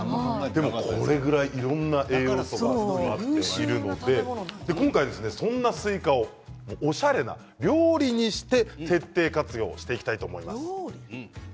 いろんな栄養素が入っているので今回そんなスイカをおしゃれな料理にして徹底活用していきたいと思います。